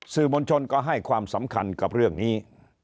สื่อมวลชนก็ให้ความสำคัญกับเรื่องนี้